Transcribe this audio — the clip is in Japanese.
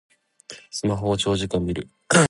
スマホを長時間みる